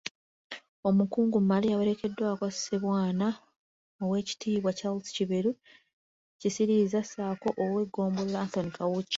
Omukungu Male yawerekeddwako Ssebwana, Oweekitiibwa Charles Kiberu Kisiriiza ssaako ow’eggombolola Anthony Kawuki.